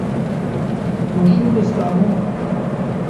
اُوشُپ ستہ امو